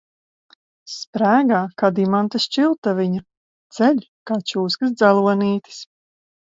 Sprēgā kā dimanta šķiltaviņa, dzeļ kā čūskas dzelonītis.